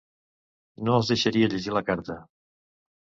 No els deixaria llegir la carta.